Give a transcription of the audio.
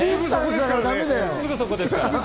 すぐそこですからね。